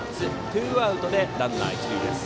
ツーアウトでランナー、一塁です。